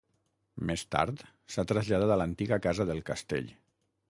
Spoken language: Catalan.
Més tard s'ha traslladat a l'antiga casa del castell.